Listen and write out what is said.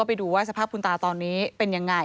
ไปดูว่าสภาพคุณตาตอนนี้เป็นยังไง